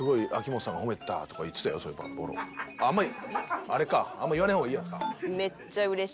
あんまあれかあんま言わない方がいいやつか。